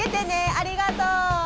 ありがとう！